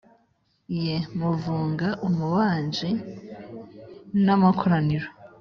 Ye muvanga ubumaji n amakoraniro